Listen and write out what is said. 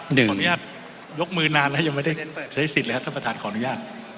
ขออนุญาตยกมือนานแล้วยังไม่ได้ใช้สิทธิ์เลยครับท่านประธานขออนุญาต